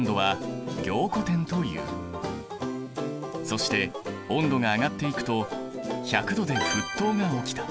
そして温度が上がっていくと１００℃で沸騰が起きた。